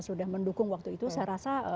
sudah mendukung waktu itu saya rasa